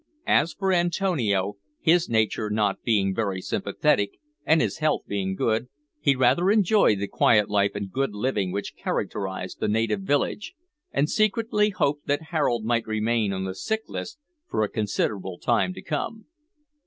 As for Antonio, his nature not being very sympathetic, and his health being good, he rather enjoyed the quiet life and good living which characterised the native village, and secretly hoped that Harold might remain on the sick list for a considerable time to come.